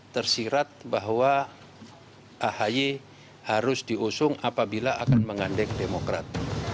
tersirat bahwa ahy harus diusung apabila akan mengandeng demokrat